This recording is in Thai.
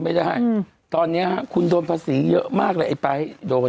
ไม่ตอนนี้คุณโดนภาษีเยอะมากเลยไอ้ป๊าย